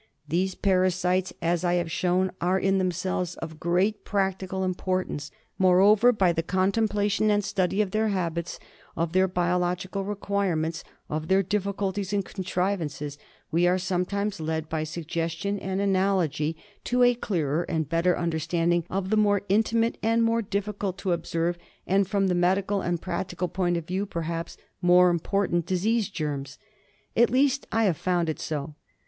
These parasites, as I have shown, are in themselves of great practical importance. Moreover, by the contemplation and study of their habits, of their biological requirements, of their difficulties and contrivances, we are sometimes led by suggestion and analogy to a clearer and better understand ing of the more minute, more difficult to observe and, from the medical and practical point of view, perhaps more important disease germs. At least I have found it so.